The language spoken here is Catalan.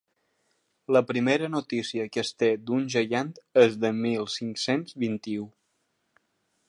La primera notícia que es té d'un Gegant és de mil cinc-cents vint-i-u.